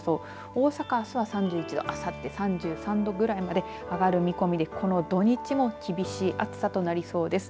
大阪あすは３１度あさって３３度ぐらいまで上がる見込みで、この土日も厳しい暑さとなりそうです。